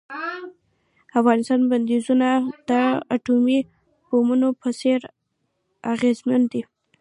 اقتصادي بندیزونه د اټومي بمونو په څیر اغیزمن دي.